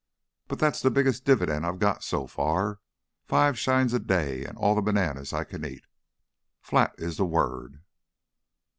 But that's the biggest dividend I've got, so far five shines a day an' all the bananas I can eat. 'Flat' is the word."